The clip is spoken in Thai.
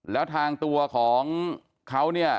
แล้วทางตัวของเขาเนี่ย